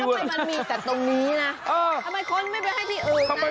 และเห็นมาสำคัญเนี่ย